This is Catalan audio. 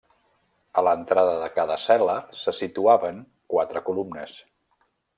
A l'entrada de cada cel·la se situaven quatre columnes.